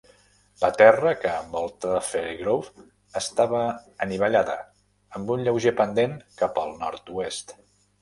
La terra que envolta Fairgrove estava anivellada, amb un lleuger pendent cap al nord-oest.